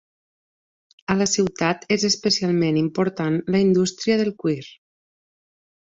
A la ciutat és especialment important la indústria del cuir.